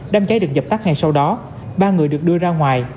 đám cháy được dập tắt ngay sau đó ba người được đưa ra ngoài